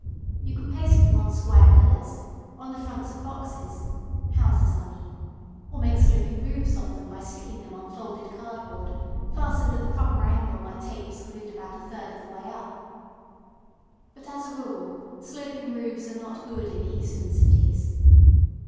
You can paste them on square pillars or on the fronts of boxes (houses I mean) or make sloping roofs of them by sticking them on folded cardboard fastened at the proper angle by tapes glued about a third of the way up. But as a rule sloping roofs are not good in Eastern cities.